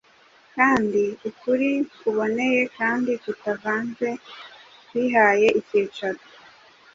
kandi ukuri kuboneye kandi kutavanze kwihaye icyicaro.